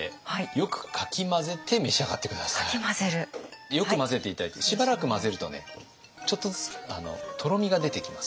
よく混ぜて頂いてしばらく混ぜるとねちょっとずつとろみが出てきます。